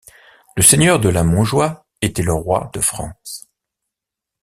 Le seigneur de Lamontjoie était le roi de France.